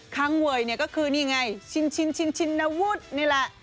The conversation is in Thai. คังเวย์ก็คือนี่ไงชินนาวุธนี่แหละ